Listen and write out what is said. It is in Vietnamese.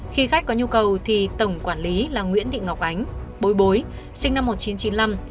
khi khách có nhu cầu thì tổng quản lý là nguyễn thị ngọc ánh bối bối sinh năm một nghìn chín trăm chín mươi năm